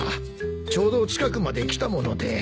ちょうど近くまで来たもので。